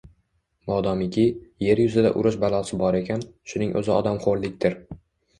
Modomiki, yer yuzida urush balosi bor ekan, shuning o’zi odamxo’rlikdir.